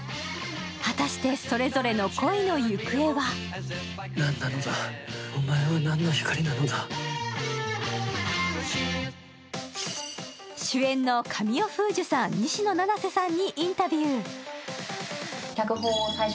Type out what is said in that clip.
果たしてそれぞれの恋の行方は？主演の神尾楓珠さん、西野七瀬さんにインタビュー。